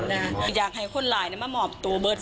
ช่วยเร่งจับตัวคนร้ายให้ได้โดยเร่ง